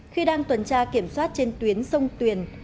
khi đang tuần tra kiểm soát trên tuyến sông tuyền